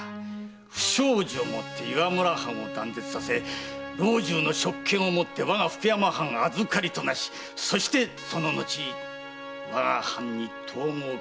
不祥事をもって岩村藩を断絶させ老中の職権をもって我が福山藩預かりとなしそしてその後我が藩に統合合併させる。